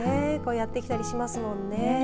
やって来たりしますもんね。